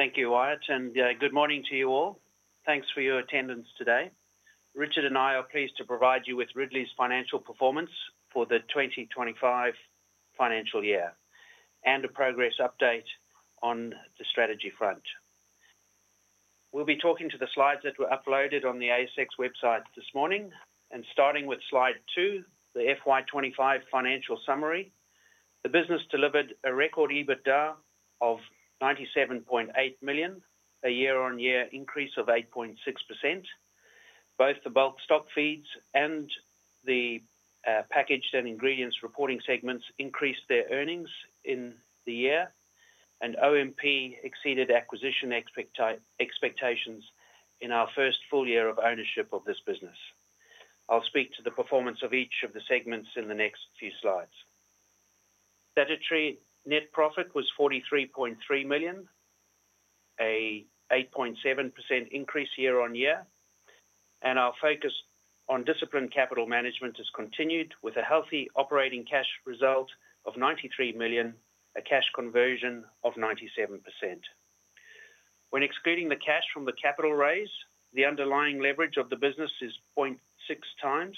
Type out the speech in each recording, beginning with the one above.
Thank you, Wyatt, and good morning to you all. Thanks for your attendance today. Richard and I are pleased to provide you with Ridley's financial performance for the 2025 financial year and a progress update on the strategy front. We will be talking to the slides that were uploaded on the ASX website this morning. Starting with slide two, the FY 2025 financial summary, the business delivered a record EBITDA of $97.8 million, a year-on-year increase of 8.6%. Both the Bulk Stockfeeds and the Packaged and Ingredients reporting segments increased their earnings in the year, and OMP exceeded acquisition expectations in our first full year of ownership of this business. I will speak to the performance of each of the segments in the next few slides. Statutory net profit was $43.3 million, an 8.7% increase year-on-year, and our focus on disciplined capital management has continued with a healthy operating cash result of $93 million, a cash conversion of 97%. When excluding the cash from the capital raise, the underlying leverage of the business is 0.6x,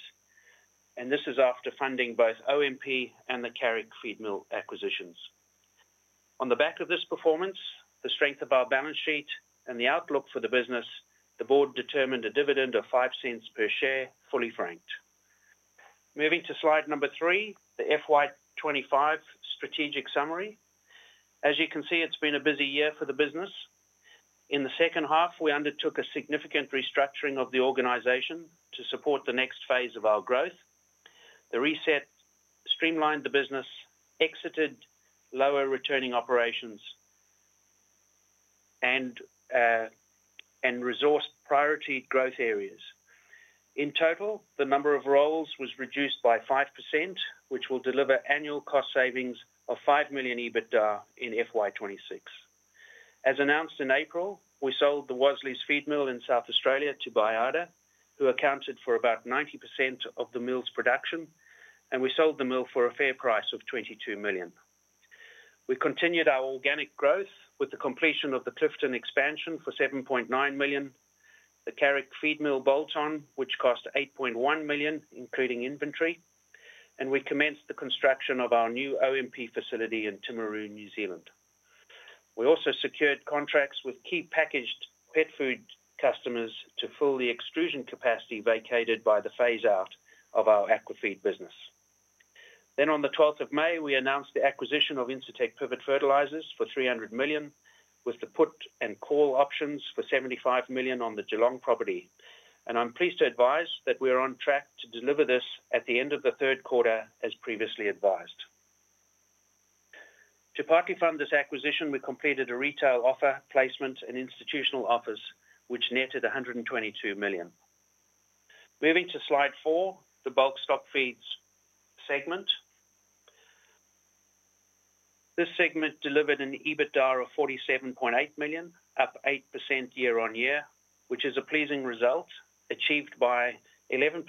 and this is after funding both OMP and the Carrick Feedmill acquisitions. On the back of this performance, the strength of our balance sheet, and the outlook for the business, the board determined a dividend of $0.05 per share, fully franked. Moving to slide number three, the FY 2025 strategic summary. As you can see, it has been a busy year for the business. In the second half, we undertook a significant restructuring of the organization to support the next phase of our growth. The reset streamlined the business, exited lower returning operations, and resourced priority growth areas. In total, the number of roles was reduced by 5%, which will deliver annual cost savings of $5 million EBITDA in FY 2026. As announced in April, we sold the Wasleys Feedmill in South Australia to Baiada, who accounted for about 90% of the mill's production, and we sold the mill for a fair price of $22 million. We continued our organic growth with the completion of the Clifton expansion for $7.9 million, the Carrick Feedmill bolt-on, which cost $8.1 million, including inventory, and we commenced the construction of our new OMP facility in Timaru, New Zealand. We also secured contracts with key packaged pet food customers to fill the extrusion capacity vacated by the phase-out of our Aqua Feeds business. On the 12th of May, we announced the acquisition of Incitec Pivot Fertilisers for $300 million, with the put and call options for $75 million on the Geelong property. I'm pleased to advise that we are on track to deliver this at the end of the third quarter, as previously advised. To partly fund this acquisition, we completed a retail offer, placements, and institutional offers, which netted $122 million. Moving to slide four, the Bulk Stockfeeds segment. This segment delivered an EBITDA of $47.8 million, up 8% year-on-year, which is a pleasing result achieved by 11%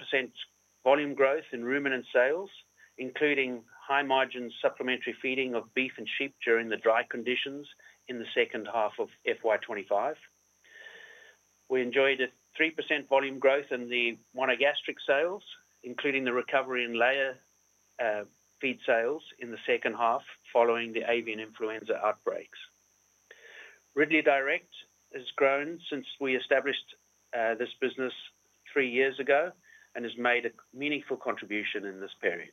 volume growth in ruminant sales, including high-margin supplementary feeding of beef and sheep during the dry conditions in the second half of FY 2025. We enjoyed a 3% volume growth in the monogastric sales, including the recovery in layer feed sales in the second half following the avian influenza outbreaks. Ridley Direct has grown since we established this business three years ago and has made a meaningful contribution in this period.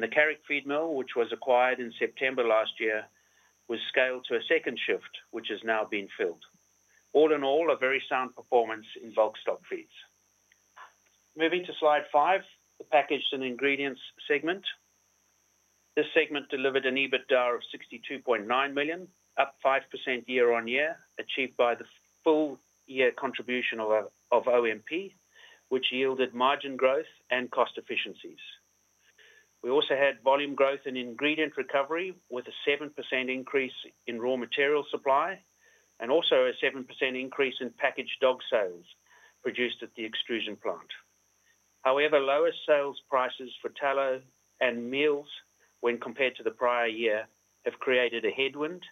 The Carrick Feedmill, which was acquired in September last year, was scaled to a second shift, which has now been filled. All in all, a very sound performance in Bulk Stockfeeds. Moving to slide five, Packaged and Ingredients segment. This segment delivered an EBITDA of $62.9 million, up 5% year-on-year, achieved by the full-year contribution of OMP, which yielded margin growth and cost efficiencies. We also had volume growth in ingredient recovery, with a 7% increase in raw material supply and also a 7% increase in packaged dog sales produced at the extrusion plant. However, lower sales prices for tallow and meals when compared to the prior year have created a headwind,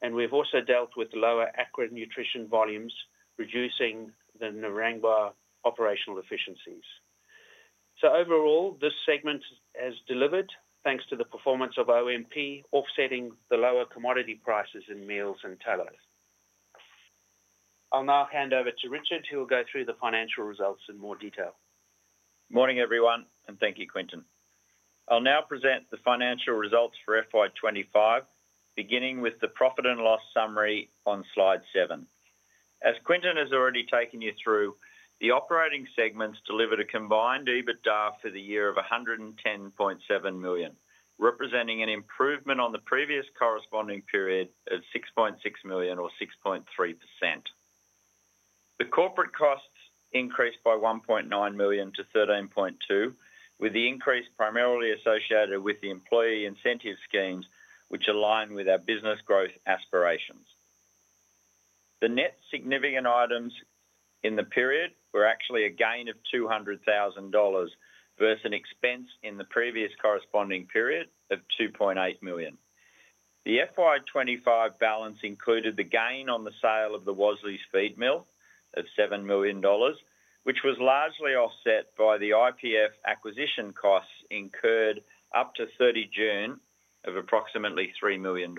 and we've also dealt with lower aqua nutrition volumes, reducing the Narangba operational efficiencies. Overall, this segment has delivered thanks to the performance of OMP, offsetting the lower commodity prices in meals and tallow. I'll now hand over to Richard, who will go through the financial results in more detail. Morning, everyone, and thank you, Quinton. I'll now present the financial results for FY 2025, beginning with the profit and loss summary on slide seven. As Quinton has already taken you through, the operating segments delivered a combined EBITDA for the year of $110.7 million, representing an improvement on the previous corresponding period at $6.6 million or 6.3%. The corporate costs increased by $1.9 million-$13.2 million, with the increase primarily associated with the employee incentive schemes, which align with our business growth aspirations. The net significant items in the period were actually a gain of $200,000 versus an expense in the previous corresponding period of $2.8 million. The FY 2025 balance included the gain on the sale of the Wasleys Feedmill of $7 million, which was largely offset by the IPF acquisition costs incurred up to 30 June of approximately $3 million,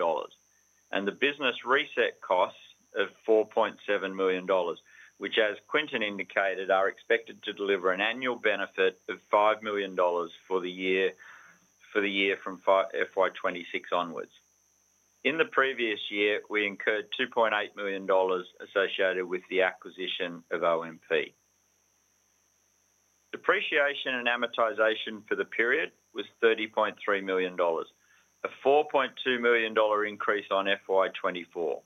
and the business reset costs of $4.7 million, which, as Quinton indicated, are expected to deliver an annual benefit of $5 million for the year from FY 2026 onwards. In the previous year, we incurred $2.8 million associated with the acquisition of OMP. Depreciation and amortization for the period was $30.3 million, a $4.2 million increase on FY 2024.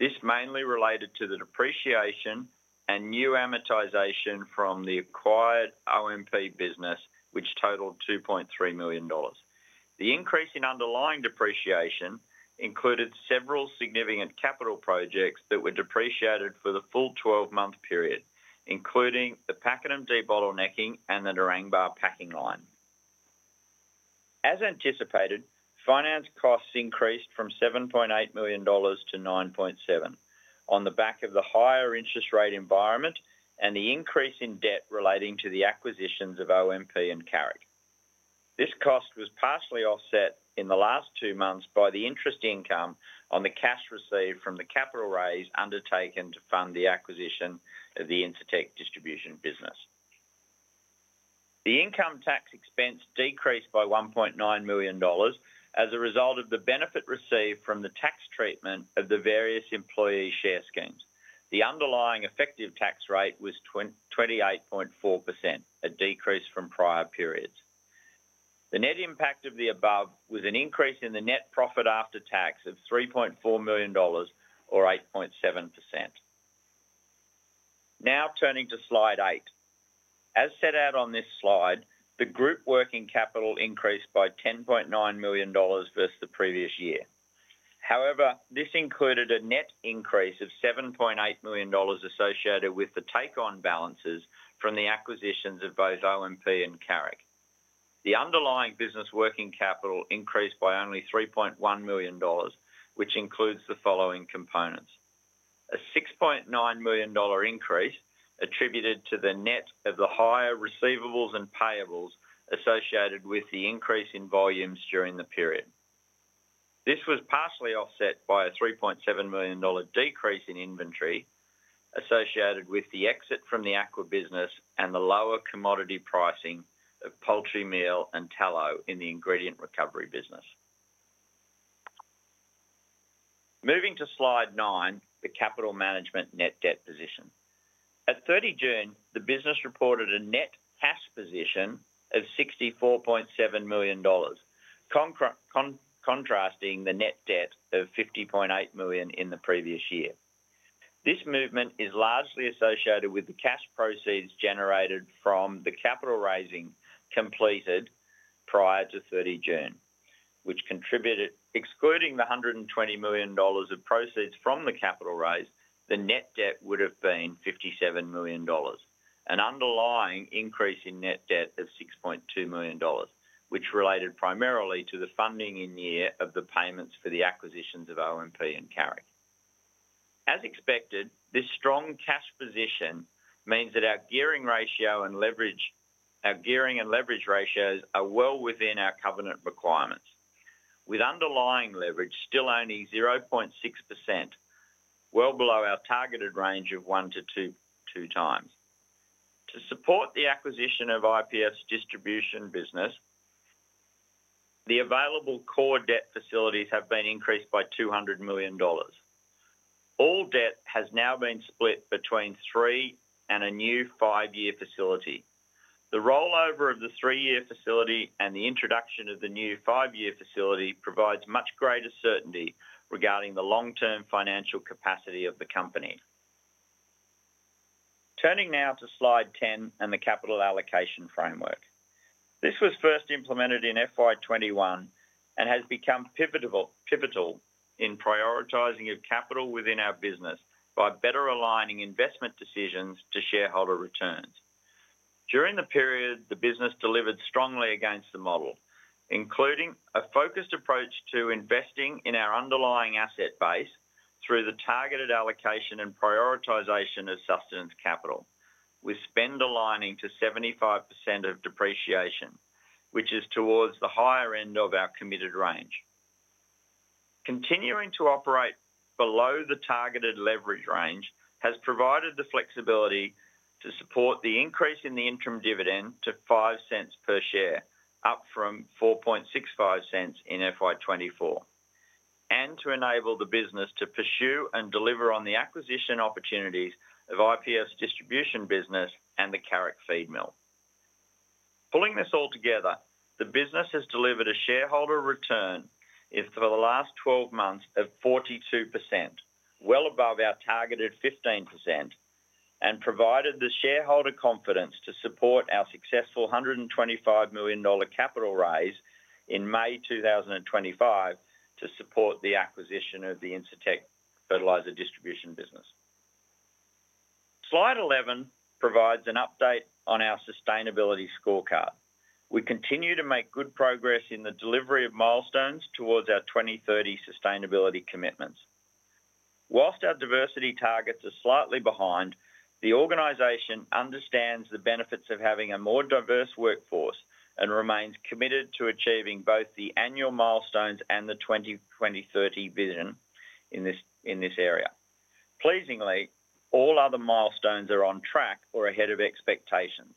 This mainly related to the depreciation and new amortization from the acquired OMP business, which totaled $2.3 million. The increase in underlying depreciation included several significant capital projects that were depreciated for the full 12-month period, including the Pakenham Deep Bottlenecking and the Narangba packing-line. As anticipated, finance costs increased from $7.8 million-$9.7 million on the back of the higher interest rate environment and the increase in debt relating to the acquisitions of OMP and Carrick. This cost was partially offset in the last two months by the interest income on the cash received from the capital raise undertaken to fund the acquisition of the Incitec Distribution business. The income tax expense decreased by $1.9 million as a result of the benefit received from the tax treatment of the various employee share schemes. The underlying effective tax rate was 28.4%, a decrease from prior periods. The net impact of the above was an increase in the net profit after tax of $3.4 million or 8.7%. Now turning to slide eight. As set out on this slide, the group working capital increased by $10.9 million versus the previous year. However, this included a net increase of $7.8 million associated with the take-on balances from the acquisitions of both OMP and Carrick. The underlying business working capital increased by only $3.1 million, which includes the following components: a $6.9 million increase attributed to the net of the higher receivables and payables associated with the increase in volumes during the period. This was partially offset by a $3.7 million decrease in inventory associated with the exit from the aqua business and the lower commodity pricing of poultry meal and tallow in the ingredient recovery business. Moving to slide nine, the capital management net debt position. At 30 June, the business reported a net cash position of $64.7 million, contrasting the net debt of $50.8 million in the previous year. This movement is largely associated with the cash proceeds generated from the capital raising completed prior to 30 June, which contributed, excluding the $120 million of proceeds from the capital raise, the net debt would have been $57 million, an underlying increase in net debt of $6.2 million, which related primarily to the funding in the year of the payments for the acquisitions of OMP and Carrick. As expected, this strong cash position means that our gearing ratio and leverage ratios are well within our covenant requirements, with underlying leverage still only 0.6%, well below our targeted range of 1x-2x. To support the acquisition of IPF's distribution business, the available core debt facilities have been increased by $200 million. All debt has now been split between three and a new five-year facility. The rollover of the three-year facility and the introduction of the new five-year facility provides much greater certainty regarding the long-term financial capacity of the company. Turning now to slide 10 and the capital allocation framework. This was first implemented in FY 2021 and has become pivotal in prioritizing capital within our business by better aligning investment decisions to shareholder returns. During the period, the business delivered strongly against the model, including a focused approach to investing in our underlying asset base through the targeted allocation and prioritization of sustenance capital, with spend aligning to 75% of depreciation, which is towards the higher end of our committed range. Continuing to operate below the targeted leverage range has provided the flexibility to support the increase in the interim dividend to $0.05 per share, up from $0.0465 in FY 2024, and to enable the business to pursue and deliver on the acquisition opportunities of IPF Distribution's distribution business and the Carrick Feedmill. Pulling this all together, the business has delivered a shareholder return for the last 12 months of 42%, well above our targeted 15%, and provided the shareholder confidence to support our successful $125 million capital raise in May 2025 to support the acquisition of the Incitec Fertilisers Distribution business. Slide 11 provides an update on our sustainability scorecard. We continue to make good progress in the delivery of milestones towards our 2030 sustainability commitments. Whilst our diversity targets are slightly behind, the organization understands the benefits of having a more diverse workforce and remains committed to achieving both the annual milestones and the 2030 vision in this area. Pleasingly, all other milestones are on track or ahead of expectations.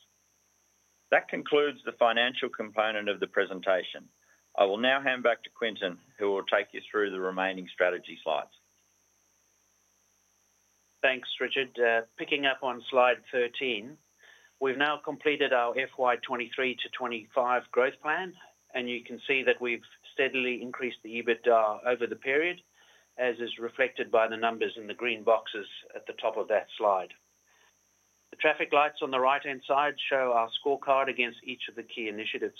That concludes the financial component of the presentation. I will now hand back to Quinton, who will take you through the remaining strategy slides. Thanks, Richard. Picking up on slide 13, we've now completed our FY 2023 to 2025 growth plan, and you can see that we've steadily increased the EBITDA over the period, as is reflected by the numbers in the green boxes at the top of that slide. The traffic lights on the right-hand side show our scorecard against each of the key initiatives.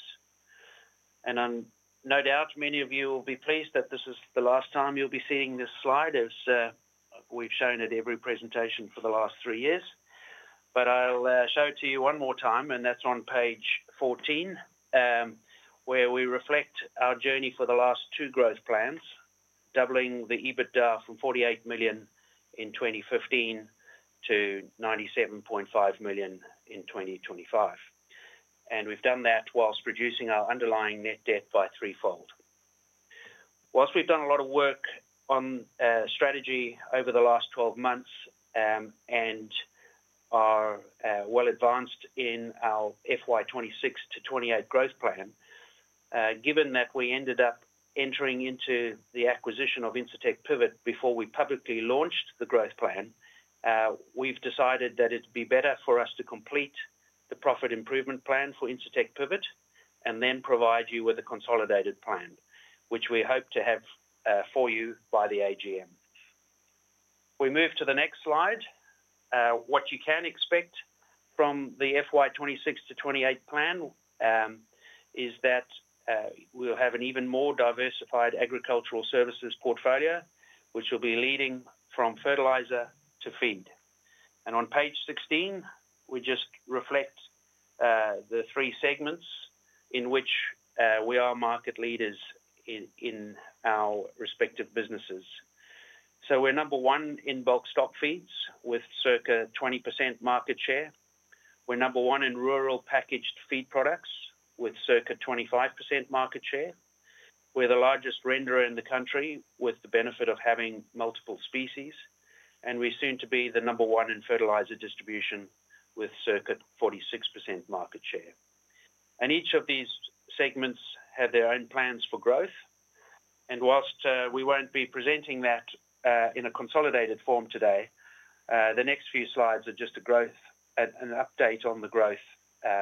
No doubt, many of you will be pleased that this is the last time you'll be seeing this slide, as we've shown it at every presentation for the last three years. I'll show it to you one more time, and that's on page 14, where we reflect our journey for the last two growth plans, doubling the EBITDA from $48 million in 2015 to $97.5 million in 2025. We've done that whilst reducing our underlying net debt by threefold. Whilst we've done a lot of work on strategy over the last 12 months and are well advanced in our FY 2026 to 2028 growth plan, given that we ended up entering into the acquisition of Incitec Pivot before we publicly launched the growth plan, we've decided that it'd be better for us to complete the profit improvement plan for Incitec Pivot and then provide you with a consolidated plan, which we hope to have for you by the AGM. We move to the next slide. What you can expect from the FY 2026 to 2028 plan is that we'll have an even more diversified agricultural services portfolio, which will be leading from fertiliser to feed. On page 16, we just reflect the three segments in which we are market leaders in our respective businesses. We're number one in Bulk Stockfeeds, with circa 20% market share. We're number one in rural Packaged Feeds products, with circa 25% market share. We're the largest renderer in the country, with the benefit of having multiple species. We're soon to be the number one in fertiliser distribution, with circa 46% market share. Each of these segments had their own plans for growth. Whilst we won't be presenting that in a consolidated form today, the next few slides are just a growth and an update on the growth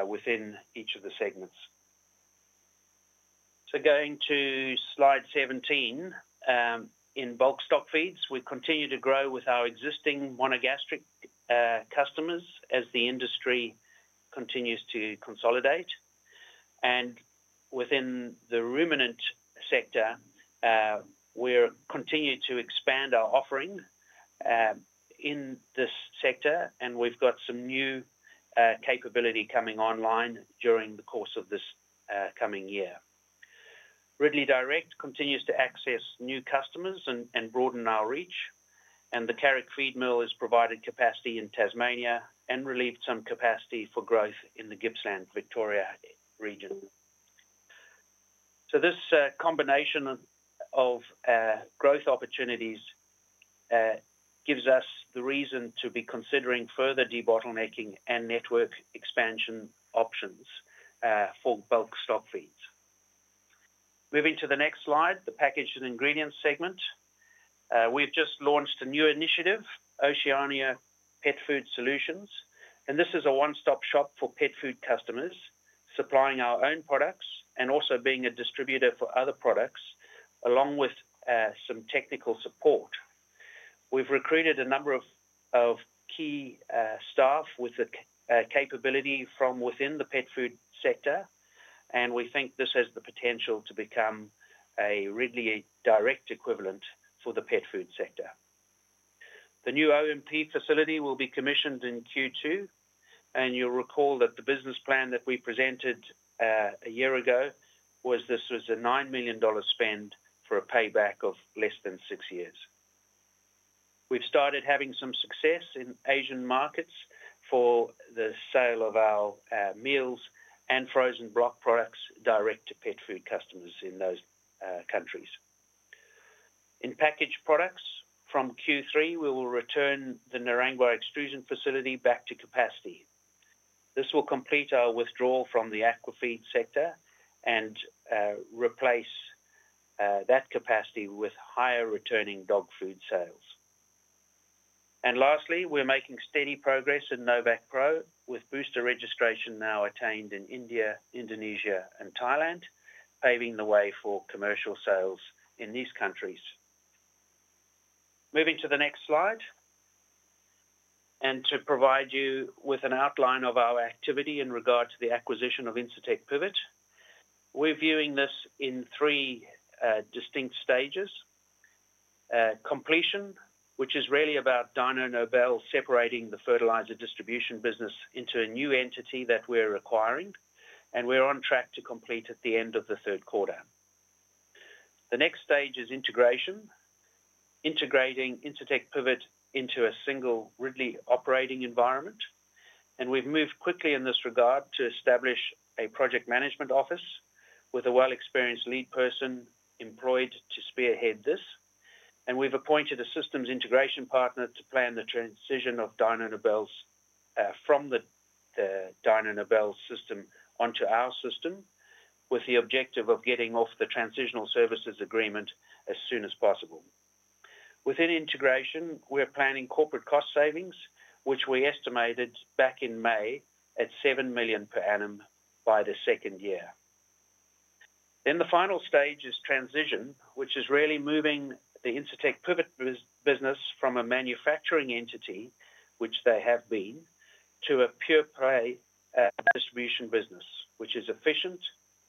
within each of the segments. Going to slide 17, in Bulk Stockfeeds, we continue to grow with our existing monogastric customers as the industry continues to consolidate. Within the ruminant sector, we're continuing to expand our offering in this sector, and we've got some new capability coming online during the course of this coming year. Ridley Direct continues to access new customers and broaden our reach, and the Carrick Feedmill has provided capacity in Tasmania and relieved some capacity for growth in the Gibson, Victoria region. This combination of growth opportunities gives us the reason to be considering further de-bottlenecking and network expansion options for Bulk Stockfeeds. Moving to the next slide, the Packaged and Ingredients segment. We've just launched a new initiative, Oceania Pet Food Solutions, and this is a one-stop shop for pet food customers, supplying our own products and also being a distributor for other products, along with some technical support. We've recruited a number of key staff with the capability from within the pet food sector, and we think this has the potential to become a Ridley Direct equivalent for the pet food sector. The new OMP facility will be commissioned in Q2, and you'll recall that the business plan that we presented a year ago was this was a $9 million spend for a payback of less than six years. We've started having some success in Asian markets for the sale of our meals and frozen block products direct to pet food customers in those countries. In packaged products, from Q3, we will return the Narangba extrusion facility back to capacity. This will complete our withdrawal from the Aqua Feeds sector and replace that capacity with higher returning dog food sales. Lastly, we're making steady progress in NovaqPro, with booster registration now attained in India, Indonesia, and Thailand, paving the way for commercial sales in these countries. Moving to the next slide, and to provide you with an outline of our activity in regard to the acquisition of Incitec Pivot, we're viewing this in three distinct stages. Completion, which is really about Dyno Nobel separating the fertiliser distribution business into a new entity that we're acquiring, and we're on track to complete at the end of the third quarter. The next stage is integration, integrating Incitec Pivot into a single Ridley operating environment. We've moved quickly in this regard to establish a project management office with a well-experienced lead person employed to spearhead this. We've appointed a systems integration partner to plan the transition of Dyno Nobel's from the Dyno Nobel system onto our system, with the objective of getting off the transitional services agreement as soon as possible. Within integration, we're planning corporate cost savings, which we estimated back in May at $7 million per annum by the second year. The final stage is transition, which is really moving the Incitec Pivot business from a manufacturing entity, which they have been, to a pure-play distribution business, which is efficient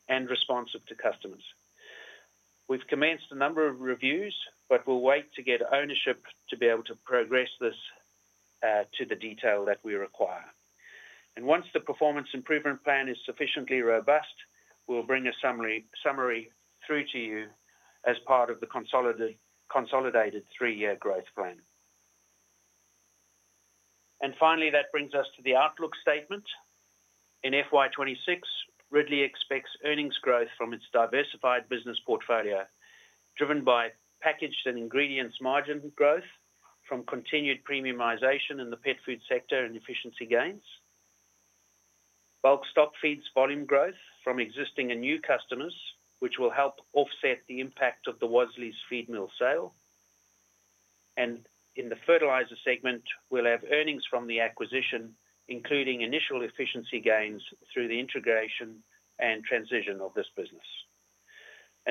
and responsive to customers. We've commenced a number of reviews, but we'll wait to get ownership to be able to progress this to the detail that we require. Once the performance improvement plan is sufficiently robust, we'll bring a summary through to you as part of the consolidated three-year growth plan. Finally, that brings us to the outlook statement. In FY 2026, Ridley expects earnings growth from its diversified business portfolio, driven by Packaged Feeds and Ingredients margin growth from continued premiumisation in the pet food sector and efficiency gains. Bulk Stockfeeds volume growth from existing and new customers will help offset the impact of the Wasleys Feedmill sale. In the fertiliser segment, we'll have earnings from the acquisition, including initial efficiency gains through the integration and transition of this business.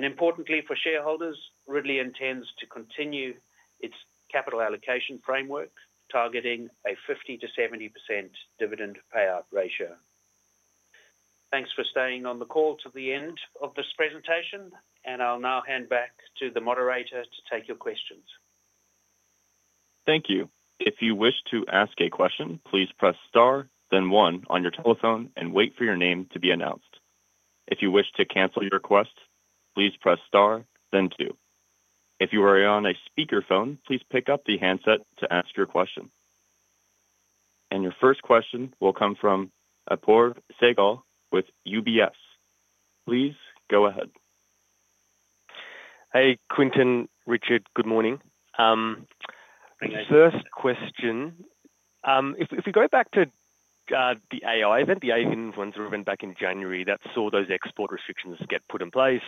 Importantly, for shareholders, Ridley intends to continue its capital allocation framework, targeting a 50%-70% dividend payout ratio. Thanks for staying on the call to the end of this presentation, and I'll now hand back to the moderator to take your questions. Thank you. If you wish to ask a question, please press star, then one on your telephone and wait for your name to be announced. If you wish to cancel your request, please press star, then two. If you are on a speakerphone, please pick up the handset to ask your question. Your first question will come from Apoorv Sehgal with UBS. Please go ahead. Hey, Quinton, Richard, good morning. First question, if we go back to the avian influenza event back in January that saw those export restrictions get put in place,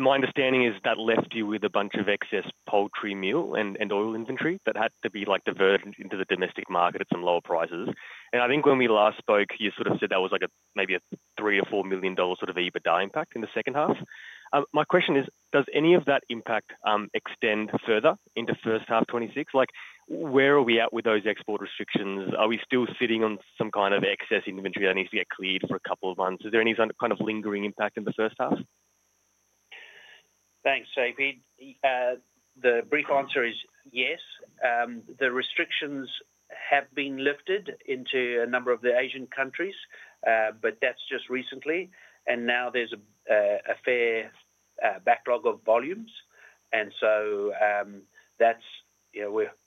my understanding is that left you with a bunch of excess poultry meal and oil inventory that had to be diverted into the domestic market at some lower prices. I think when we last spoke, you sort of said that was maybe a $3 million or $4 million sort of EBITDA impact in the second half. My question is, does any of that impact extend further into first-half 2026? Where are we at with those export restrictions? Are we still sitting on some kind of excess inventory that needs to get cleared for a couple of months? Is there any kind of lingering impact in the first-half? Thanks, Seghal. The brief answer is yes. The restrictions have been lifted into a number of the Asian countries, but that's just recently. Now there's a fair backlog of volumes, and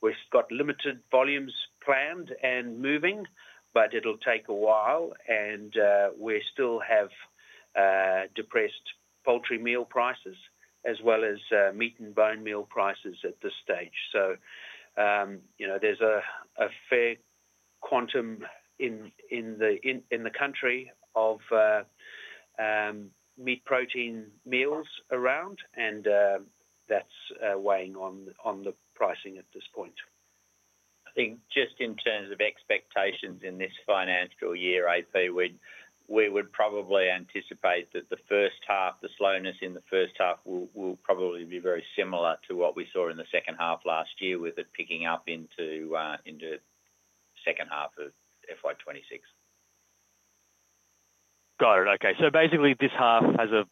we've got limited volumes planned and moving. It'll take a while. We still have depressed poultry meal prices, as well as meat and bone meal prices at this stage. There's a fair quantum in the country of meat protein meals around, and that's weighing on the pricing at this point. I think just in terms of expectations in this financial year, we would probably anticipate that the first half, the slowness in the first half will probably be very similar to what we saw in the second half last year, with it picking up into the second half of FY 2026. Got it. Okay. Basically, this half has a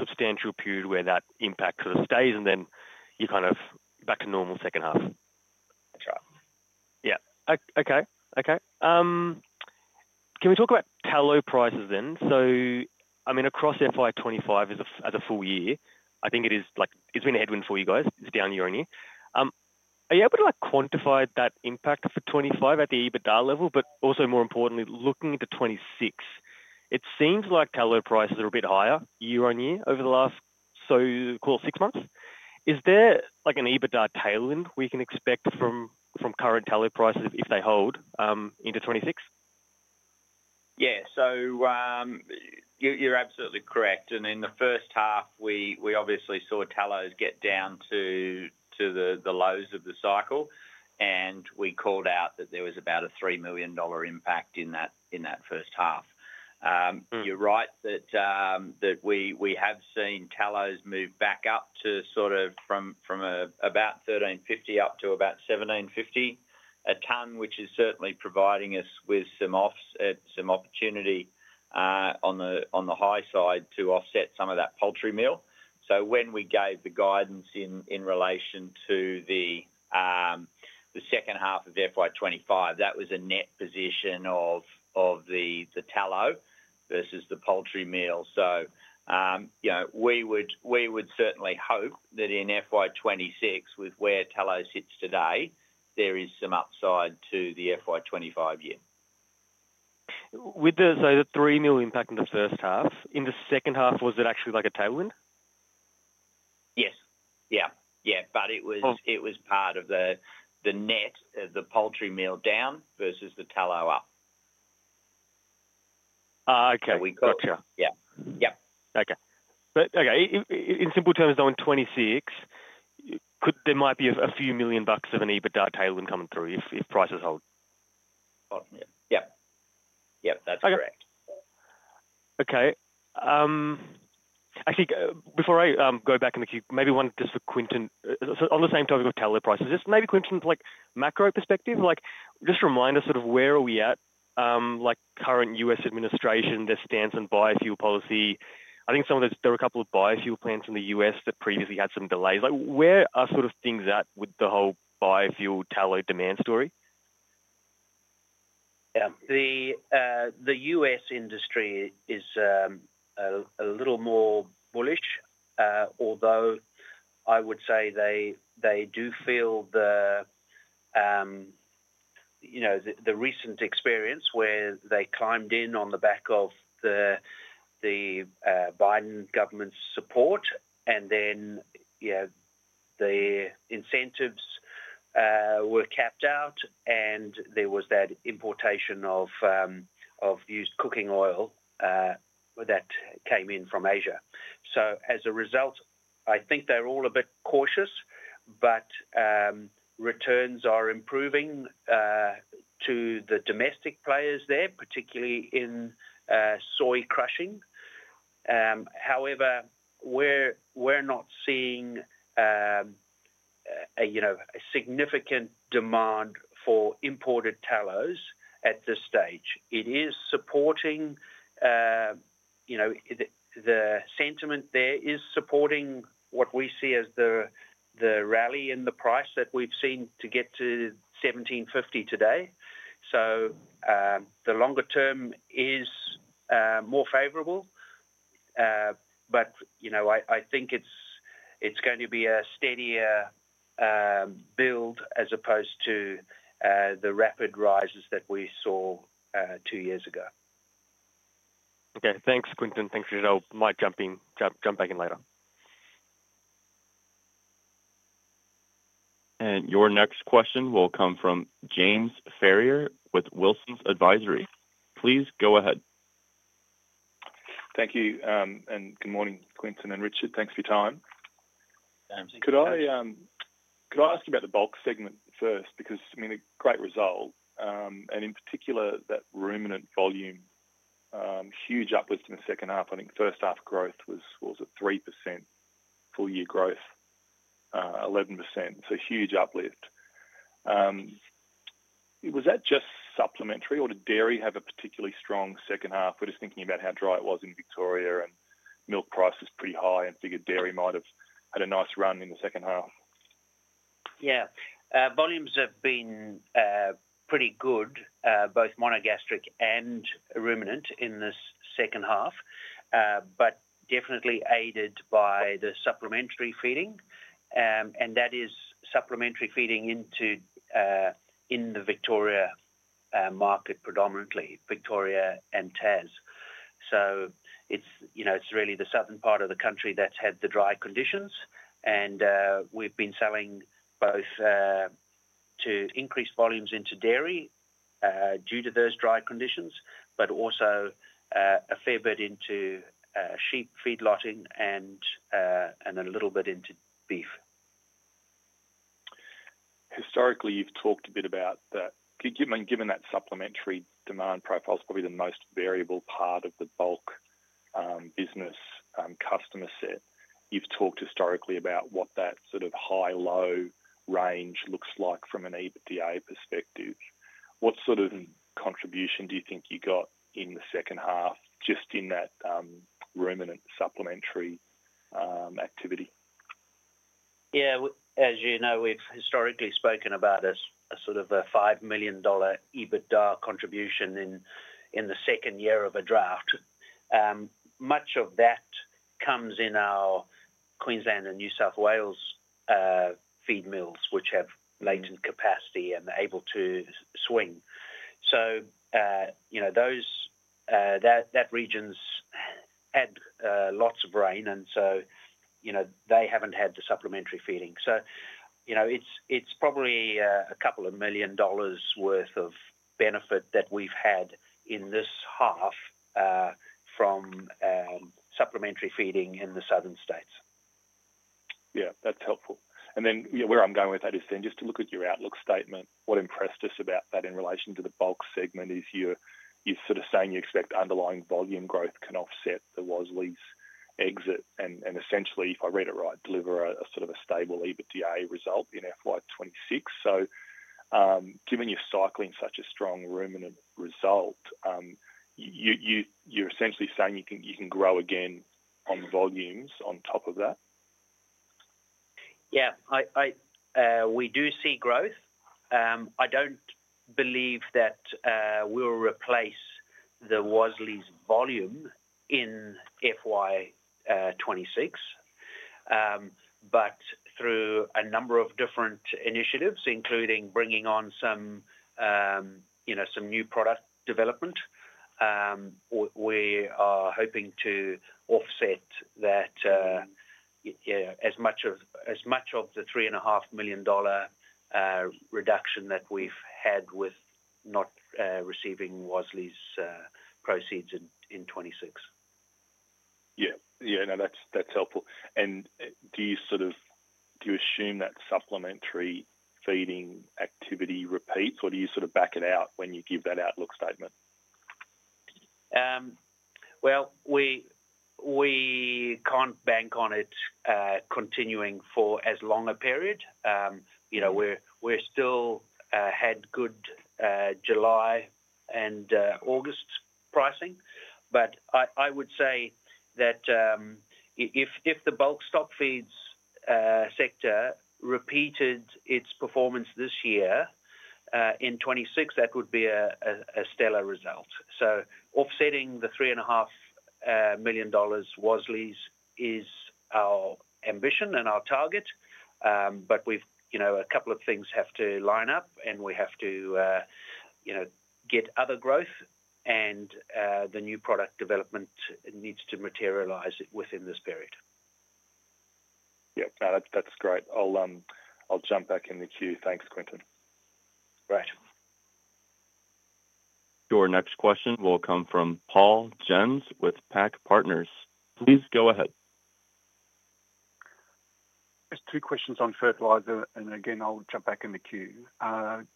substantial period where that impact sort of stays, and then you're kind of back to normal second half. That's right. Okay. Can we talk about tallow prices then? Across FY 2025 as a full year, I think it's been a headwind for you guys. It's down year on year. Are you able to quantify that impact for 2025 at the EBITDA level, but also more importantly, looking into 2026, it seems like tallow prices are a bit higher year-on-year over the last, so call it, six months. Is there like an EBITDA tailwind we can expect from current tallow prices if they hold into 2026? You're absolutely correct. In the first-half, we obviously saw tallow get down to the lows of the cycle, and we called out that there was about a $3 million impact in that first-half. You're right that we have seen tallow move back up from about $13.50 up to about $17.50 a ton, which is certainly providing us with some opportunity on the high side to offset some of that poultry meal. When we gave the guidance in relation to the second half of FY 2025, that was a net position of the tallow versus the poultry meal. We would certainly hope that in FY 2026, with where tallow sits today, there is some upside to the FY 2025 year. The $3 million impact in the first-half, in the second half, was it actually like a tailwind? Yes, it was part of the net of the poultry meal down versus the tallow up. Okay. Gotcha. Yeah. Yep. Okay, in simple terms, though, in 2026, there might be a few million bucks of an EBITDA tailwind coming through if prices hold. Yeah, yep, that's correct. Okay. I think before I go back in the queue, maybe one just for Quinton, so on the same topic of tallow prices, just maybe Quinton's macro perspective, like just remind us sort of where are we at, like current U.S. administration, their stance on biofuel policy. I think some of those, there are a couple of biofuel plants in the U.S. that previously had some delays. Like where are sort of things at with the whole biofuel tallow demand story? Yeah. The U.S. industry is a little more bullish, although I would say they do feel the recent experience where they climbed in on the back of the Biden government's support, and then the incentives were capped out, and there was that importation of used cooking oil that came in from Asia. As a result, I think they're all a bit cautious, but returns are improving to the domestic players there, particularly in soy crushing. However, we're not seeing a significant demand for imported tallows at this stage. It is supporting, you know, the sentiment there is supporting what we see as the rally in the price that we've seen to get to $17.50 today. The longer-term is more favorable. You know, I think it's going to be a steadier build as opposed to the rapid rises that we saw two years ago. Okay. Thanks, Quinton. Thanks, Richard. I might jump back in later. Your next question will come from James Ferrier with Wilsons Advisory. Please go ahead. Thank you, and good morning, Quinton and Richard. Thanks for your time. Thanks. Could I ask you about the Bulk segment first? I mean, a great result. In particular, that ruminant volume, huge uplift in the second half. I think first half growth was at 3%. Full-year growth, 11%. Huge uplift. Was that just supplementary, or did dairy have a particularly strong second half? We're just thinking about how dry it was in Victoria and milk prices pretty high and figured dairy might have had a nice run in the second half. Yeah. Volumes have been pretty good, both monogastric and ruminant in this second half, definitely aided by the supplementary feeding. That is supplementary feeding in the Victoria market predominantly, Victoria and Tas. It's really the southern part of the country that's had the dry conditions. We've been selling both to increase volumes into dairy due to those dry conditions, but also a fair bit into sheep feed lotting and a little bit into beef. Historically, you've talked a bit about that. Given that supplementary demand profile is probably the most variable part of the Bulk business customer set, you've talked historically about what that sort of high-low range looks like from an EBITDA perspective. What sort of contribution do you think you got in the second half just in that ruminant supplementary activity? Yeah. As you know, we've historically spoken about a sort of a $5 million EBITDA contribution in the second year of a draft. Much of that comes in our Queensland and New South Wales Feedmills, which have latent capacity and are able to swing. That region's had lots of rain, and they haven't had the supplementary feeding. It's probably a couple of million dollars' worth of benefit that we've had in this half from supplementary feeding in the southern states. Yeah, that's helpful. Where I'm going with that is just to look at your outlook statement. What impressed us about that in relation to the Bulk segment is you're sort of saying you expect underlying volume growth can offset the Wasleys exit and essentially, if I read it right, deliver a sort of a stable EBITDA result in FY 2026. Given your cycle in such a strong ruminant result, you're essentially saying you can grow again on volumes on top of that? We do see growth. I don't believe that we'll replace the Wasleys volume in FY 2026, but through a number of different initiatives, including bringing on some new product development, we are hoping to offset as much of the $3.5 million reduction that we've had with not receiving Wasleys proceeds in 2026. Yeah, that's helpful. Do you sort of assume that supplementary feeding activity repeats, or do you sort of back it out when you give that outlook statement? We can't bank on it continuing for as long a period. We've still had good July and August pricing. I would say that if the Bulk Stockfeeds sector repeated its performance this year in 2026, that would be a stellar result. Offsetting the $3.5 million Wasleys is our ambition and our target. A couple of things have to line up, and we have to get other growth, and the new product development needs to materialize within this period. Yeah, no, that's great. I'll jump back in the queue. Thanks, Quinton. Right. Your next question will come from Paul Jensz with PAC Partners. Please go ahead. Just two questions on fertiliser, and again, I'll jump back in the queue.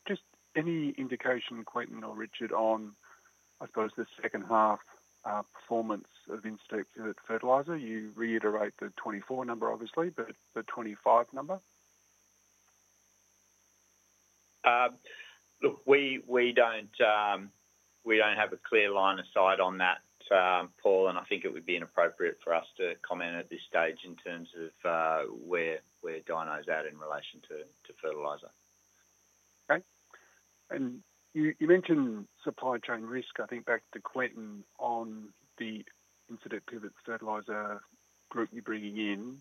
Just any indication, Quinton or Richard, on, I suppose, the second half performance of Incitec Pivot? You reiterate the 2024 number, obviously, but the 2025 number? Look, we don't have a clear line of sight on that, Paul, and I think it would be inappropriate for us to comment at this stage in terms of where Dino's at in relation to fertiliser. Okay. You mentioned supply chain risk. I think back to Quinton on the Incitec Pivot Fertilisers group you're bringing in.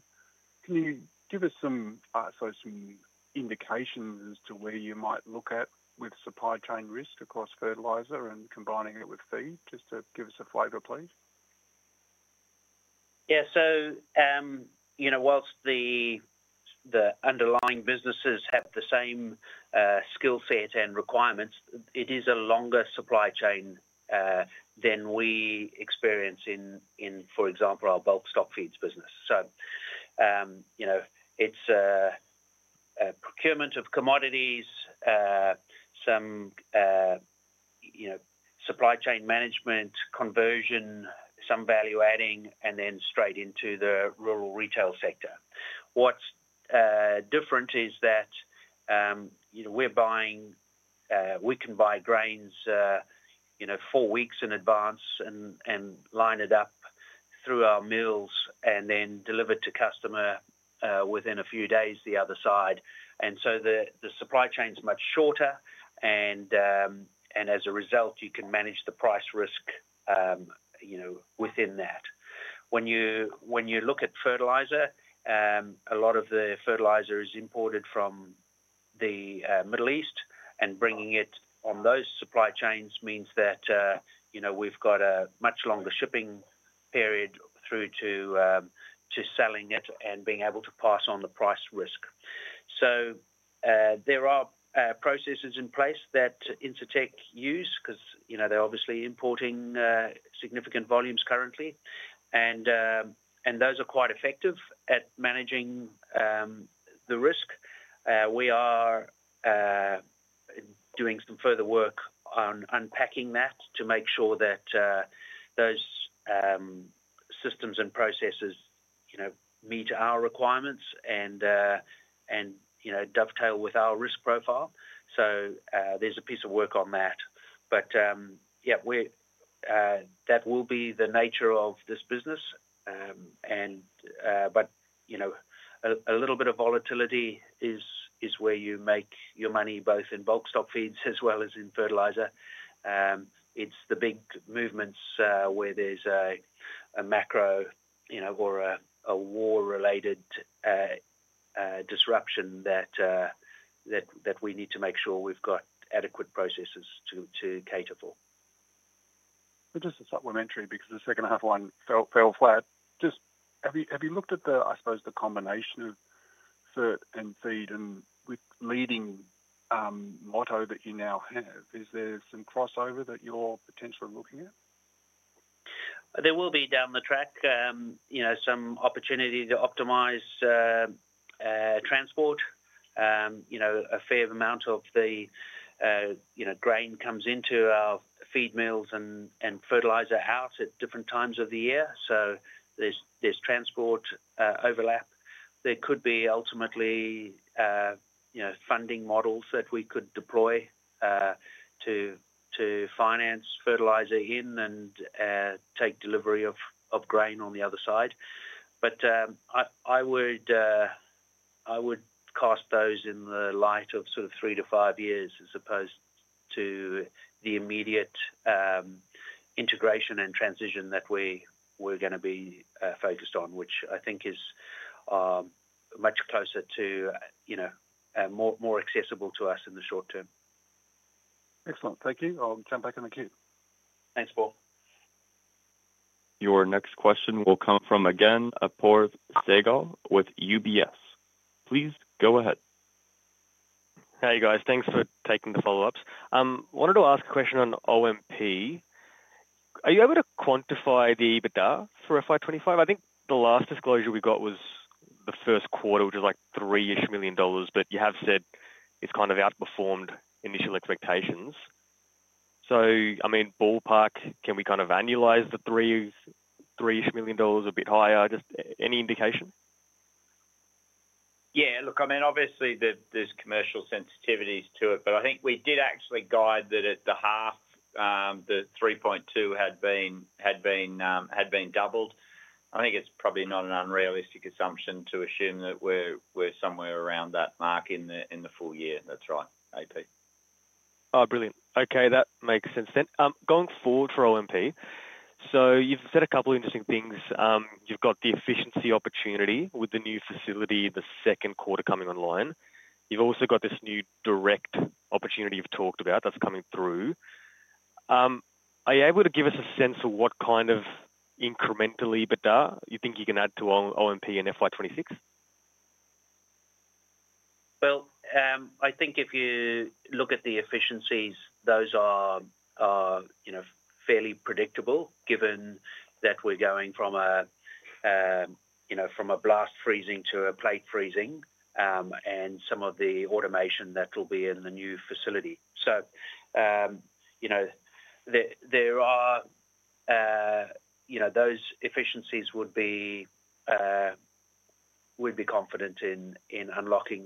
Can you give us some, I suppose, some indications as to where you might look at with supply chain risk across fertiliser and combining it with feed? Just to give us a flavor, please. Yeah. Whilst the underlying businesses have the same skill set and requirements, it is a longer supply chain than we experience in, for example, our Bulk Stockfeeds business. It's a procurement of commodities, some supply chain management, conversion, some value-adding, and then straight into the rural retail sector. What's different is that we're buying, we can buy grains four weeks in advance and line it up through our mills and then deliver it to customer within a few days the other side. The supply chain is much shorter, and as a result, you can manage the price risk within that. When you look at fertiliser, a lot of the fertiliser is imported from the Middle East, and bringing it on those supply chains means that we've got a much longer shipping period through to selling it and being able to pass on the price risk. There are processes in place that Incitec use because they're obviously importing significant volumes currently, and those are quite effective at managing the risk. We are doing some further work on unpacking that to make sure that those systems and processes meet our requirements and dovetail with our risk profile. There's a piece of work on that. That will be the nature of this business. A little bit of volatility is where you make your money, both in Bulk Stockfeeds as well as in fertiliser. It's the big movements where there's a macro or a war-related disruption that we need to make sure we've got adequate processes to cater for. Just a supplementary because the second half one fell flat. Have you looked at the, I suppose, the combination of fert and feed and with leading motto that you now have? Is there some crossover that you're potentially looking at? There will be, down the track, some opportunity to optimize transport. A fair amount of the grain comes into our Feedmills and fertiliser out at different times of the year, so there's transport overlap. There could be ultimately funding models that we could deploy to finance fertiliser in and take delivery of grain on the other side. I would cast those in the light of three to five years as opposed to the immediate integration and transition that we're going to be focused on, which I think is much closer to, you know, more accessible to us in the short-term. Excellent. Thank you. I'll jump back in the queue. Thanks, Paul. Your next question will come from Apoorv Sehgal with UBS. Please go ahead. Hey, guys. Thanks for taking the follow-ups. I wanted to ask a question on OMP. Are you able to quantify the EBITDA for FY 2025? I think the last disclosure we got was the first quarter, which was like $3 million, but you have said it's kind of outperformed initial expectations. I mean, ballpark, can we kind of annualize the $3 million a bit higher? Just any indication? Yeah. Look, I mean, obviously, there's commercial sensitivities to it, but I think we did actually guide that at the half, the $3.2 million had been doubled. I think it's probably not an unrealistic assumption to assume that we're somewhere around that mark in the full year. That's right, AP. Oh, brilliant. Okay. That makes sense then. Going forward for OMP, you've said a couple of interesting things. You've got the efficiency opportunity with the new facility, the second quarter coming online. You've also got this new direct opportunity you've talked about that's coming through. Are you able to give us a sense of what kind of incremental EBITDA you think you can add to OMP in FY 2026? If you look at the efficiencies, those are fairly predictable given that we're going from blast freezing to plate freezing and some of the automation that will be in the new facility. Those efficiencies would be confident in unlocking.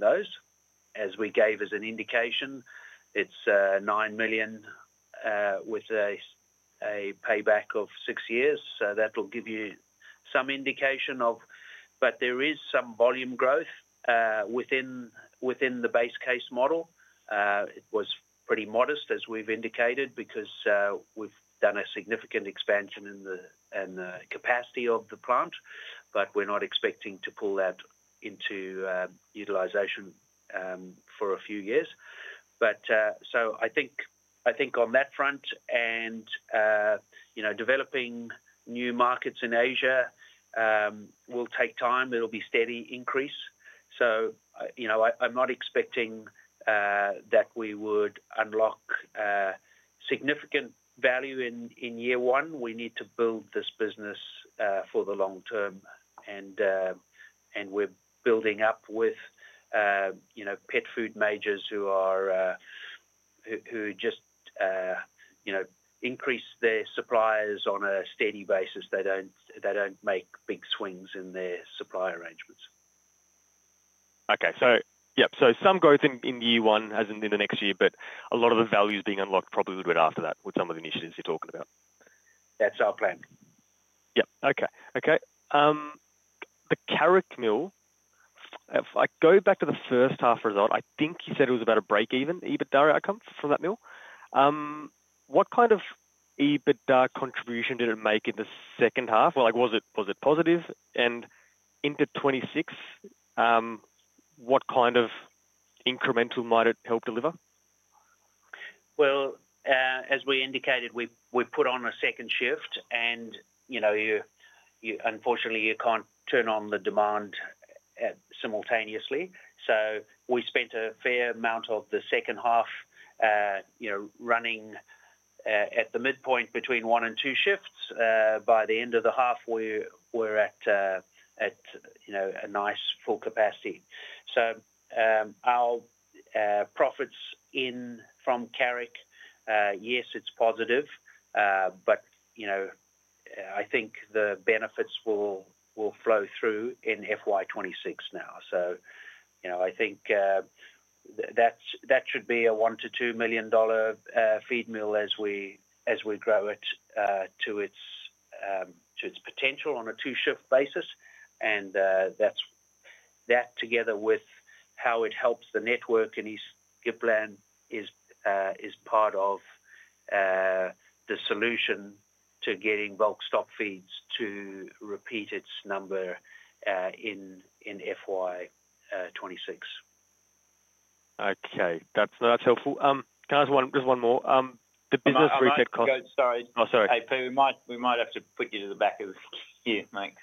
As we gave as an indication, it's $9 million with a payback of six years. That will give you some indication, but there is some volume growth within the base case model. It was pretty modest, as we've indicated, because we've done a significant expansion in the capacity of the plant, but we're not expecting to pull that into utilization for a few years. I think on that front, developing new markets in Asia will take time. It'll be a steady increase. I'm not expecting that we would unlock significant value in year one. We need to build this business for the long-term. We're building up with pet food majors who just increase their suppliers on a steady basis. They don't make big swings in their supply arrangements. Okay. Yep, some growth in year one, as in the next year, but a lot of the value's being unlocked probably would run after that with some of the initiatives you're talking about? That's our plan. Okay. The Carrick mill, if I go back to the first-half result, I think you said it was about a break-even EBITDA outcome from that mill. What kind of EBITDA contribution did it make in the second half? Was it positive? Into 2026, what kind of incremental might it help deliver? As we indicated, we put on a second shift, and unfortunately, you can't turn on the demand simultaneously. We spent a fair amount of the second half running at the midpoint between one and two shifts. By the end of the half, we're at a nice full capacity. Our profits in from Carrick, yes, it's positive, but I think the benefits will flow through in FY 2026 now. I think that should be a $1 million-$2 million Feedmill as we grow it to its potential on a two-shift basis. That, together with how it helps the network in East Gippsland, is part of the solution to getting Bulk Stockfeeds to repeat its number in FY 2026. Okay. That's helpful. Can I ask just one more? The business. Sorry. Oh, sorry. We might have to put you to the back of the queue, mate.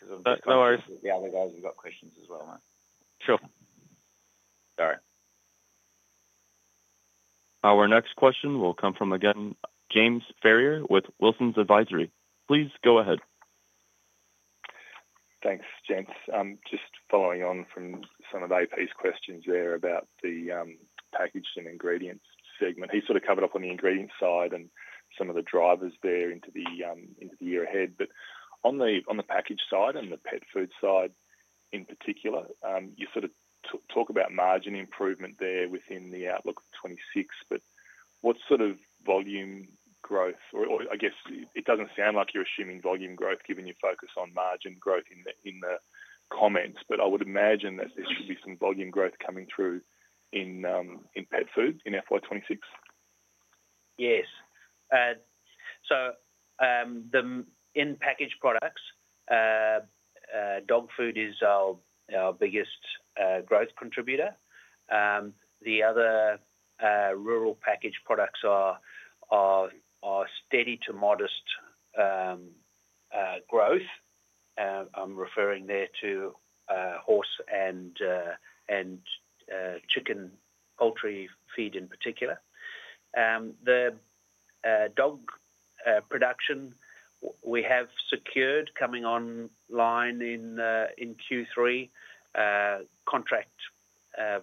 No worries. The other guys have got questions as well, mate. Sure. Sorry. Our next question will come from James Ferrier with Wilsons Advisory. Please go ahead. Thanks, James. Just following on from some of AP's questions there about the Packaged and Ingredients segment. He sort of covered up on the ingredients side and some of the drivers there into the year ahead. On the packaged side and the pet food side in particular, you sort of talk about margin improvement there within the outlook of 2026. What sort of volume growth, or I guess it doesn't sound like you're assuming volume growth given your focus on margin growth in the comments. I would imagine that there should be some volume growth coming through in pet food in FY 2026? Yes. In Packaged products, dog food is our biggest growth contributor. The other rural packaged products are steady to modest growth. I'm referring there to horse and chicken poultry feed in particular. The dog production, we have secured coming online in Q3 contract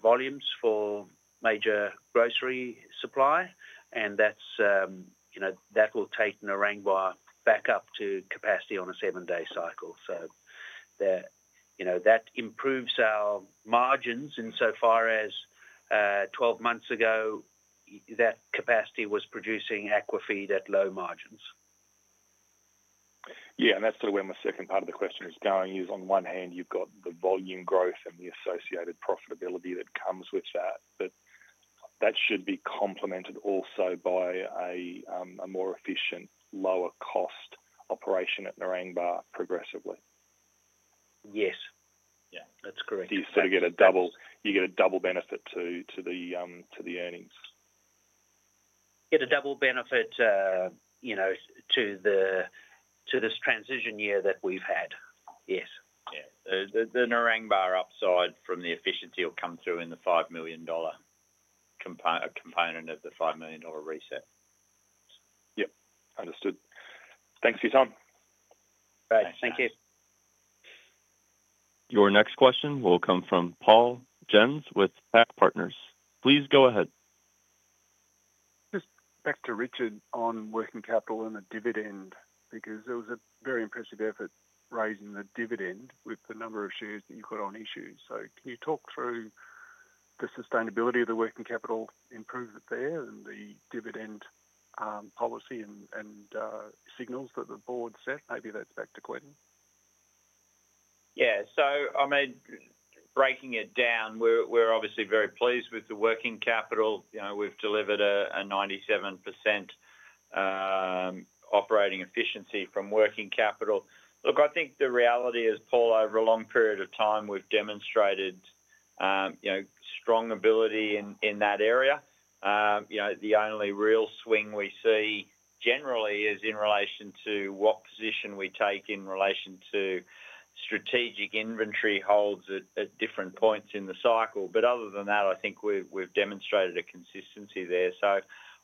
volumes for major grocery supply, and that will take Narangba back up to capacity on a seven-day cycle. That improves our margins insofar as 12 months ago, that capacity was producing Aqua Feeds at low margins. That's sort of where my second part of the question is going. On one hand, you've got the volume growth and the associated profitability that comes with that. That should be complemented also by a more efficient, lower-cost operation at Narangba progressively. Yes, that's correct. You get a double benefit to the earnings. Get a double benefit to this transition year that we've had. Yes. The Narangba upside from the efficiency will come through in the $5 million component of the $5 million reset. Yep, understood. Thanks for your time. Great. Thank you. Your next question will come from Paul Jensz with PAC Partners. Please go ahead. Just back to Richard on working capital and the dividend, because it was a very impressive effort raising the dividend with the number of shares that you've got on issue. Can you talk through the sustainability of the working capital improvement there and the dividend policy and signals that the board set? Maybe that's back to Quinton. Yeah. So, I mean, breaking it down, we're obviously very pleased with the working capital. We've delivered a 97% operating efficiency from working capital. I think the reality is, Paul, over a long period of time, we've demonstrated strong ability in that area. The only real swing we see generally is in relation to what position we take in relation to strategic inventory holds at different points in the cycle. Other than that, I think we've demonstrated a consistency there.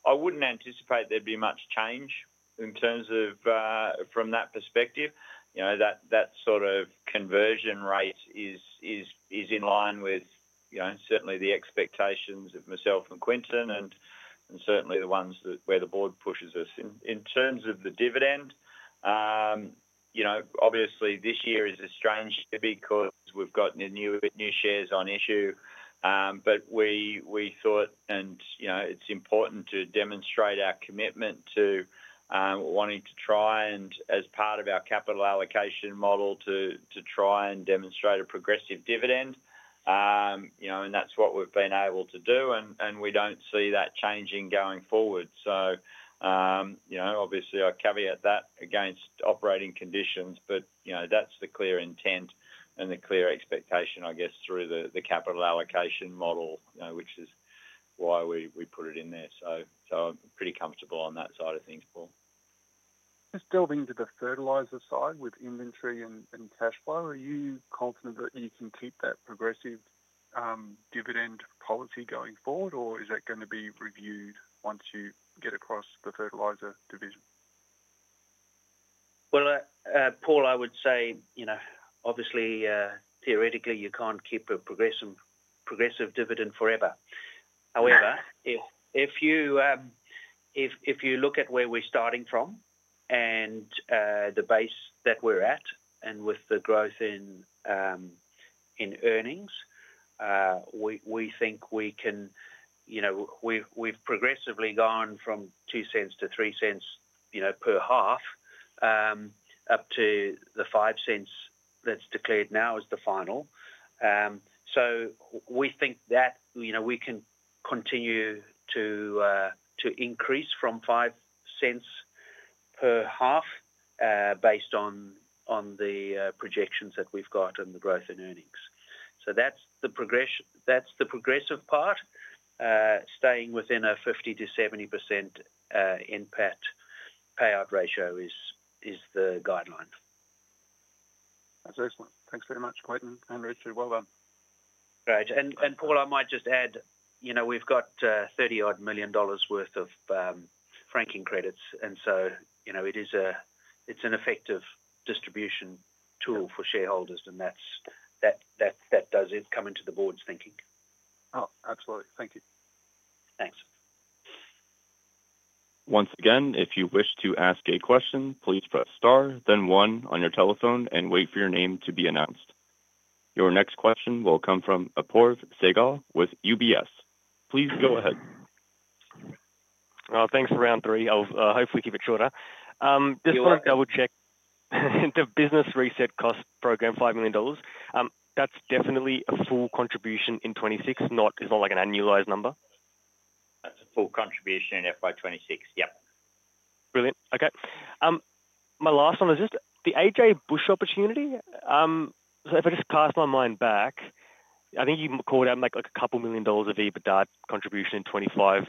I wouldn't anticipate there'd be much change from that perspective. That sort of conversion rate is in line with the expectations of myself and Quinton and certainly the ones where the board pushes us. In terms of the dividend, obviously, this year is strange because we've got new shares on issue. We thought it's important to demonstrate our commitment to wanting to try and, as part of our capital allocation model, to try and demonstrate a progressive dividend. That's what we've been able to do. We don't see that changing going forward. I caveat that against operating conditions, but that's the clear intent and the clear expectation, I guess, through the capital allocation model, which is why we put it in there. I'm pretty comfortable on that side of things, Paul. Just delving into the fertiliser side with inventory and cash flow, are you confident that you can keep that progressive dividend policy going forward, or is that going to be reviewed once you get across the fertiliser division? Paul, I would say, obviously, theoretically, you can't keep a progressive dividend forever. However, if you look at where we're starting from and the base that we're at and with the growth in earnings, we think we can. We've progressively gone from $0.02 to $0.03 per half up to the $0.05 that's declared now as the final. We think that we can continue to increase from $0.05 per half based on the projections that we've got and the growth in earnings. That's the progressive part. Staying within a 50%-70% payout ratio is the guideline. That's excellent. Thanks very much, Quinton and Richard. Well done. Great. Paul, I might just add, we've got $30 million worth of franking credits. It's an effective distribution tool for shareholders, and that does come into the board's thinking. Oh, absolutely. Thank you. Thanks. Once again, if you wish to ask a question, please press star, then one on your telephone and wait for your name to be announced. Your next question will come from Apoorv Sehgal with UBS. Please go ahead. Thank you for round three. I'll hopefully keep it shorter. Just want to double-check the business reset cost program, $5 million. That's definitely a full contribution in 2026, it's not like an annualized number. That's a full contribution in FY 2026. Yep. Brilliant. Okay. My last one is just the AJ Bush opportunity. If I just cast my mind back, I think you called out like a couple million dollars of EBITDA contribution in 2025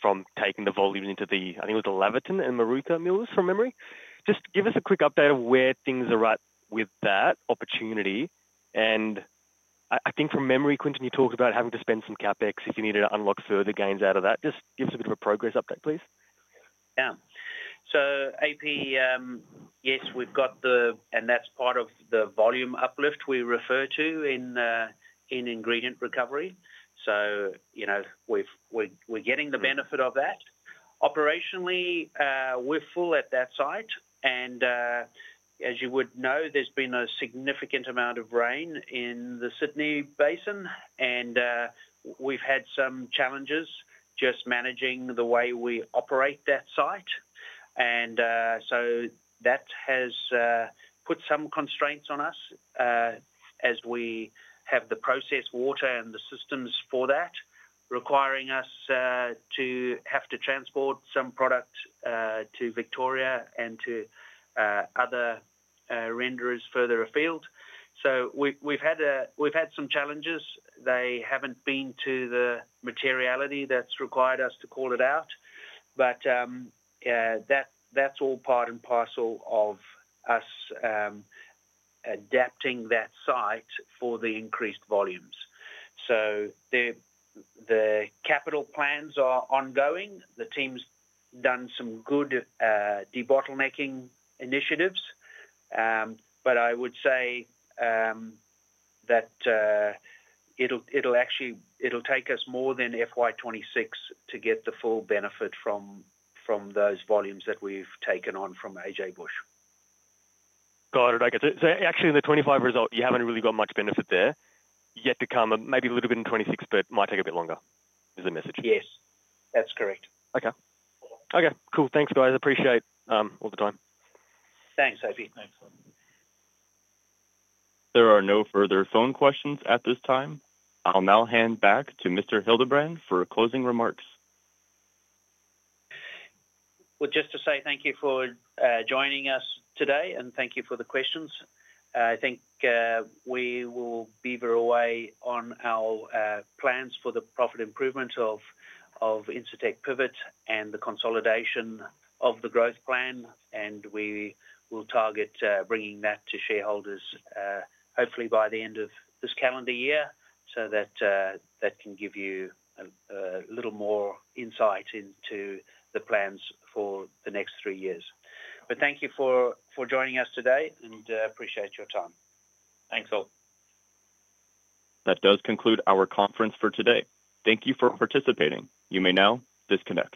from taking the volumes into the, I think it was the Laverton and Maruta mills, from memory. Just give us a quick update of where things are at with that opportunity. I think from memory, Quinton, you talked about having to spend some CapEx if you needed to unlock further gains out of that. Just give us a bit of a progress update, please. Yeah. AP, yes, we've got the, and that's part of the volume uplift we refer to in ingredient recovery. We're getting the benefit of that. Operationally, we're full at that site. As you would know, there's been a significant amount of rain in the Sydney Basin, and we've had some challenges just managing the way we operate that site. That has put some constraints on us as we have the process water and the systems for that, requiring us to have to transport some product to Victoria and to other renders further afield. We've had some challenges. They haven't been to the materiality that's required us to call it out. That's all part and parcel of us adapting that site for the increased volumes. The capital plans are ongoing. The team's done some good de-bottlenecking initiatives. I would say that it'll actually take us more than FY 2026 to get the full benefit from those volumes that we've taken on from AJ Bush. Got it. Okay. In the 2025 result, you haven't really got much benefit there. Yet to come, maybe a little bit in 2026, but it might take a bit longer is the message. Yes, that's correct. Okay. Cool. Thanks, guys. I appreciate all the time. Thanks, AP. There are no further phone questions at this time. I'll now hand back to Mr. Hildebrand for closing remarks. Thank you for joining us today and thank you for the questions. I think we will beaver away on our plans for the profit improvement of Incitec Pivot and the consolidation of the growth plan. We will target bringing that to shareholders, hopefully, by the end of this calendar year so that can give you a little more insight into the plans for the next three years. Thank you for joining us today and appreciate your time. Thanks, all. That does conclude our conference for today. Thank you for participating. You may now disconnect.